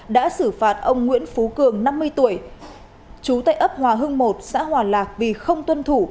đã xử phạt ông nguyễn phú cường năm mươi tuổi chú tại ấp hòa hưng một xã hòa lạc vì không tuân thủ